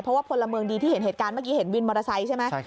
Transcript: เพราะว่าพลเมืองดีที่เห็นเหตุการณ์เมื่อกี้เห็นวินมอเตอร์ไซค์ใช่ไหม